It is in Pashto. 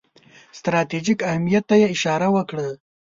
ستراتیژیک اهمیت ته یې اشاره وکړه.